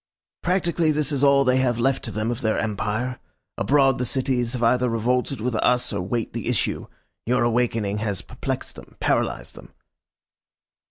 "Practically this is all they have left to them of their empire. Abroad the cities have either revolted with us or wait the issue. Your awakening has perplexed them, paralysed them."